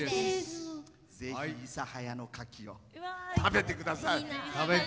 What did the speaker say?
ぜひ諫早のかきを食べてください。